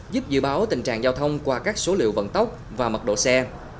giúp dự báo tình trạng giao thông qua các số liệu vận tốc và mật độ xe